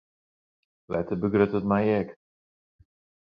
Letter begrutte it my ek.